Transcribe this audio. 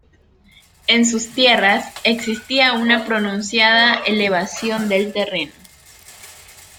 En sus tierras existía una pronunciada elevación del terreno.